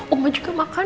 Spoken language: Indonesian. oma juga makan